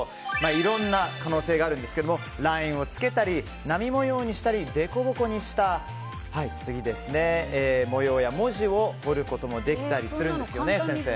いろいろなものがあるんですがラインをつけたり波模様にしたりでこぼこにした模様や文字を彫ることもできたりするんですよね。